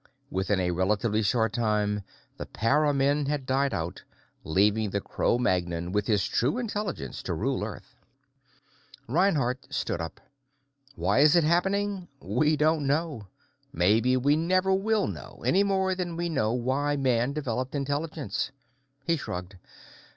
"Within a relatively short time, the para men had died out, leaving the Cro Magnon, with his true intelligence, to rule Earth." Reinhardt stood up. "Why is it happening? We don't know. Maybe we never will know, any more than we know why Man developed intelligence." He shrugged.